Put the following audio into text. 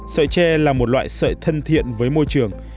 sợi tre là một loại sợi thân thiện với môi trường